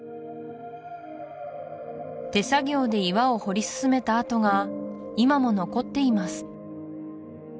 手作業で岩を掘り進めた跡が今も残っています